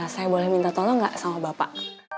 saya boleh minta tolong gak sama bapak